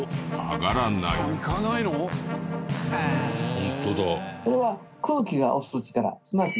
ホントだ。